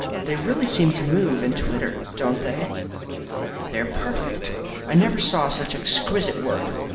They really seem to move and twitter, don't they?" "They are perfect. I never saw such exquisite work.